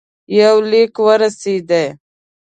یو لیک ورسېدی.